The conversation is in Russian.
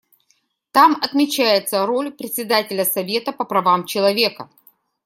Там отмечается роль Председателя Совета по правам человека.